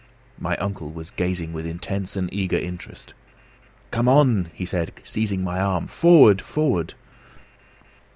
My uncle was gazing with intense and eager interest. "Come on!" said he, seizing my arm. "Forward! forward!"